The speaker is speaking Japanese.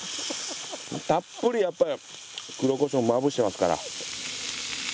たっぷりやっぱり黒コショウをまぶしてますから。